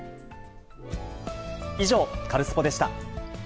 以上、カルスポっ！でした。